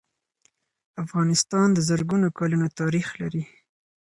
افغانستان د زرګونو کلونو تاریخ لري.